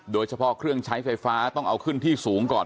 โดยเฉพาะเครื่องใช้ไฟฟ้าต้องเอาขึ้นที่สูงก่อน